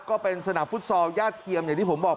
ก็เป็นสนามฟุตซอลญาติเทียมอย่างที่ผมบอก